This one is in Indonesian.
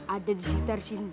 ada disitar sini